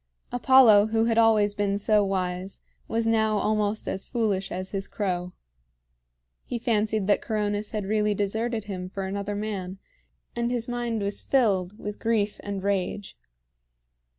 Apollo, who had always been so wise, was now almost as foolish as his crow. He fancied that Coronis had really deserted him for another man, and his mind was filled with grief and rage.